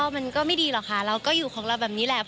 มันก็ไม่ดีหรอกค่ะเราก็อยู่ของเราแบบนี้แหละ